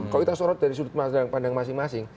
kalau kita sorot dari sudut pandang masing masing